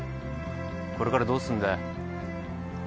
これからどうすんだよ？